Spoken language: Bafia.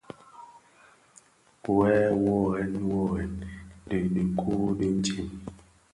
Wè wuorèn wuorèn dhi dikuu ditsem.